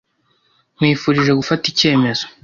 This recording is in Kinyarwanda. Nkwifurije gufata icyemezo.